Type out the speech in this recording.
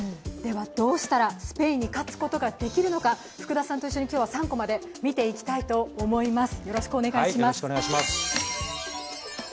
どうしたらスペインに勝つことができるのか福田さんと一緒に今日は３コマで見ていきたいと思います。